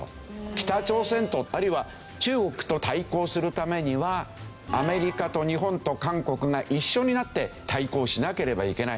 北朝鮮とあるいは中国と対抗するためにはアメリカと日本と韓国が一緒になって対抗しなければいけない。